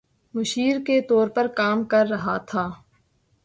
مشیر کے طور پر کام کر رہا تھا